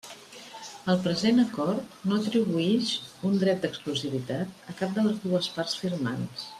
El present acord no atribuïx un dret d'exclusivitat a cap de les dues parts firmants.